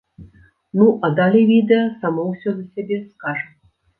Ну, а далей відэа само ўсё за сябе скажа.